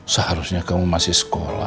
seharusnya kamu masih sekolah